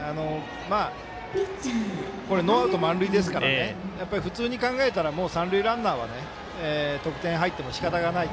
ノーアウト、満塁ですから普通に考えたら、三塁ランナーは得点入ってもしかたがない。